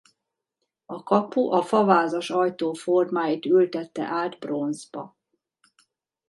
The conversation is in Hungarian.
A kapu a favázas ajtó formáit ültette át bronzba.